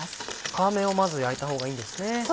皮目をまず焼いた方がいいんですね。